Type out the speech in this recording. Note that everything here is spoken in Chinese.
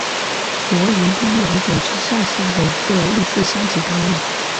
国营第一良种是下辖的一个类似乡级单位。